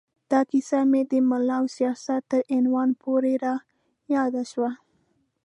دا کیسه مې د ملا او سیاست تر عنوان پورې را یاده شوه.